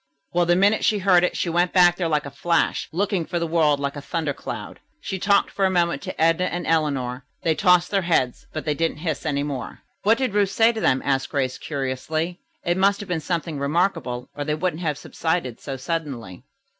Well, the minute she heard it she went back there like a flash, looking for all the world like a thunder cloud. She talked for a moment to Edna and Eleanor. They tossed their heads, but they didn't hiss any more." "What did Ruth say to them?" asked Grace curiously. "It must have been something remarkable, or they wouldn't have subsided so suddenly."